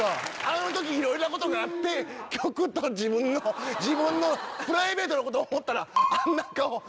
あの時いろいろなことがあって曲と自分のプライベートなこと思ったらあんな顔